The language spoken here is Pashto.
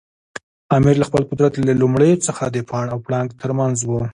امیر له خپل قدرت له لومړیو څخه د پاڼ او پړانګ ترمنځ و.